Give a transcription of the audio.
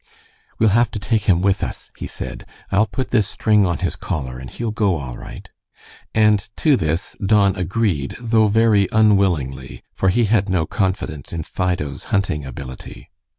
"We'll have to take him with us," he said. "I'll put this string on his collar, and he'll go all right." And to this Don agreed, though very unwillingly, for he had no confidence in Fido's hunting ability.